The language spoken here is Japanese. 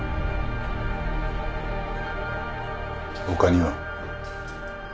他には？